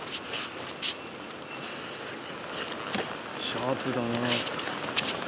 シャープだな。